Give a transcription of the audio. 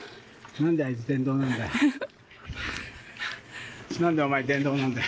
なんでお前、電動なんだよ。